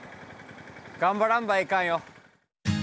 頑張らんばいかんよ。